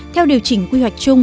theo điều chỉnh quy hoạch chung